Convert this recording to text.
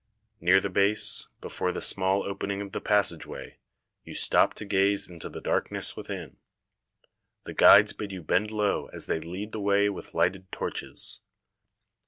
Near the base, before the small opening of the passageway, you stop to gaze into the darkness within. The guides bid you bend low as they lead the way with lighted torches.